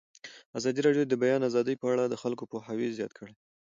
ازادي راډیو د د بیان آزادي په اړه د خلکو پوهاوی زیات کړی.